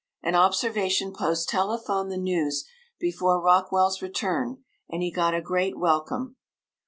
An observation post telephoned the news before Rockwell's return, and he got a great welcome.